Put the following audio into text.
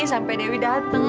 sampai dewi dateng